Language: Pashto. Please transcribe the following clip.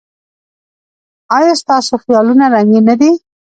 ایا ستاسو خیالونه رنګین نه دي؟